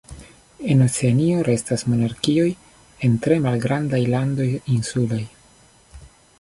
En Oceanio restas monarkioj en tre malgrandaj landoj insulaj.